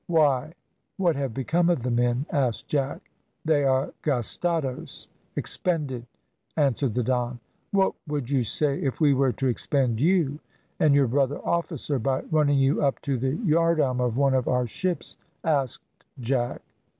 "Why, what have become of the men?" asked Jack. "They are `gastados,' `expended,'" answered the Don. "What would you say if we were to expend you and your brother officer, by running you up to the yardarm of one of our ships?" asked Jack.